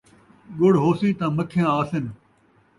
ڳڑ ہوسی تاں مکھیاں آسِن